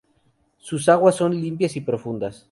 Sus aguas son limpias y profundas.